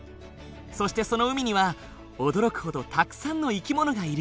そしてその海には驚くほどたくさんの生き物がいる。